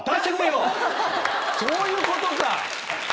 そういうことか。